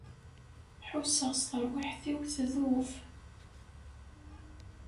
Ḥusseɣ s terwiḥt-iw tdub.